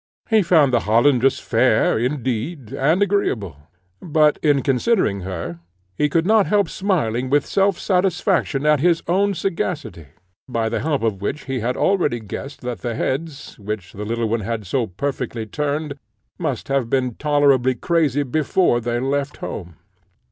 He found the Hollandress fair, indeed, and agreeable; but in considering her, he could not help smiling with self satisfaction at his own sagacity, by the help of which he had already guessed that the heads, which the little one had so perfectly turned, must have been tolerably crazy before they left home.